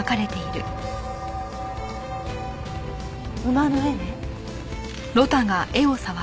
馬の絵ね。